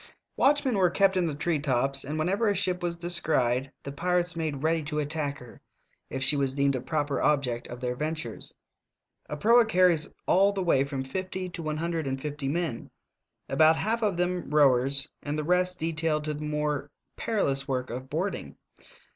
Watchmen were kept in the tree tops, and whenever a ship was descried the pirates made ready to attack her, if she was deemed a proper object of their ventures. A proa carries all the way from fifty to one hun dred and fifty men, about half of them rowers and the rest detailed to the more perilous work of boarding.